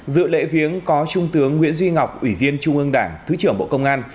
dự lễ viếng có trung tướng nguyễn duy ngọc ủy viên trung ương đảng thứ trưởng bộ công an